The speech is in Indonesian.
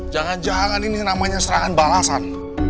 jangan jangan ini namanya serangan balasan